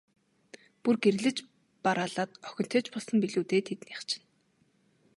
Бүр гэрлэж бараалаад охинтой ч болсон билүү дээ, тэднийх чинь.